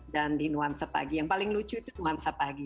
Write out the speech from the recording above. di nuansa pagi yang paling lucu itu nuansa pagi